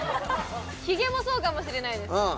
ひげもそうかもしれないです